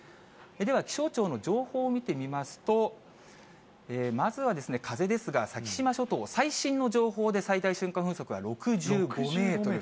では、気象庁の情報を見てみますと、まずはですね、風ですが、先島諸島、最新の情報で、最大瞬間風速は６５メートル。